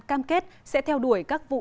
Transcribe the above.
cam kết sẽ theo đuổi các vụ